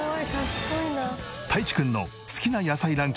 たいちくんの好きな野菜ランキング